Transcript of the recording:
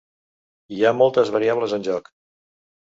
Hi ha moltes variables en joc.